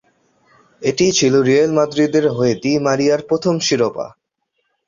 এটিই ছিল রিয়াল মাদ্রিদের হয়ে দি মারিয়ার প্রথম শিরোপা।